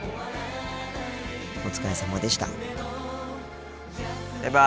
お疲れさまでした。